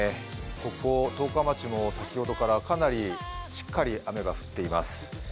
ここ十日町も先ほどからかなりしっかり雨が降っています。